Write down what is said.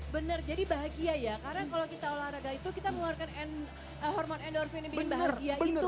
benar jadi bahagia ya karena kalau kita olahraga itu kita mengeluarkan hormon endorfin yang bikin bahagia itu